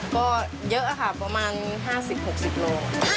ก็เยอะค่ะประมาณ๕๐๖๐โล